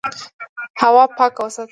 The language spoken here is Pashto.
هوا پاکه وساته.